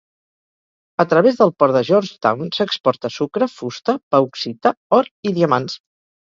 A través del port de Georgetown s'exporta sucre, fusta, bauxita, or i diamants.